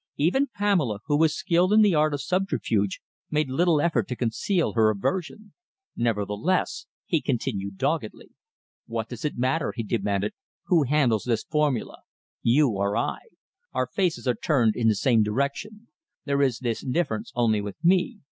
Even Pamela, who was skilled in the art of subterfuge, made little effort to conceal her aversion. Nevertheless, he continued doggedly. "What does it matter," he demanded, "who handles this formula you or I? Our faces are turned in the same direction. There is this difference only with me.